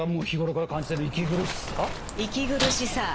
日頃から感じている息苦しさ。